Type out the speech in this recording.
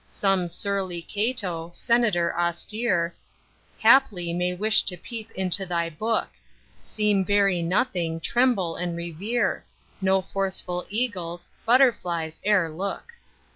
Some surly Cato, Senator austere, Haply may wish to peep into thy book: Seem very nothing—tremble and revere: No forceful eagles, butterflies e'er look.